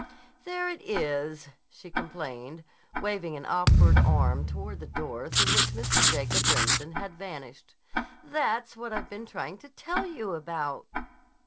"There it is," she complained, waving an awkward arm toward the door through which Mr. Jacob Remsen had vanished. "That's what I've been trying to tell you about."